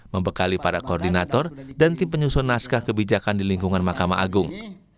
membekali para koordinator dan tim penyusun naskah kebijakan di lingkungan mahkamah agung